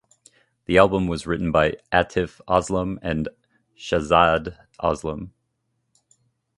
The album was written by Atif Aslam and Shahzad Aslam.